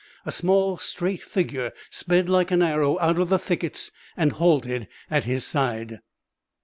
A small straight figure sped like an arrow out of the thickets and halted at his side.